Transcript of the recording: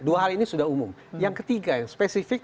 dua hal ini sudah umum yang ketiga yang spesifik